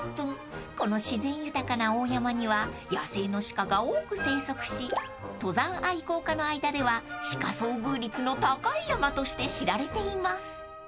［この自然豊かな大山には野生の鹿が多く生息し登山愛好家の間では鹿遭遇率の高い山として知られています］